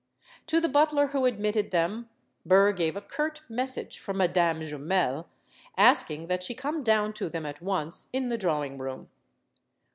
To the butler who admitted them, Burr gave a curt message for Madame Jumel, asking that she come down to them at once in the drawing room.